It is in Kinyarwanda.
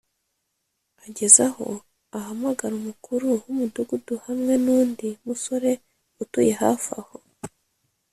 Ageze aho ahamagara Umukuru w’umudugudu hamwe n’undi musore utuye hafi aho